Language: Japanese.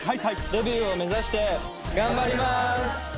デビューを目指して頑張ります。